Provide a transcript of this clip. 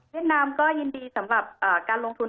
นามก็ยินดีสำหรับการลงทุน